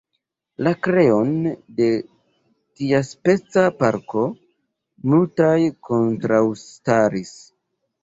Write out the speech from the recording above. La kreon de tiaspeca parko multaj kontraŭstaris.